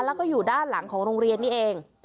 แล้วก็อยู่ด้านหลังของโรงเรียนนี่เอง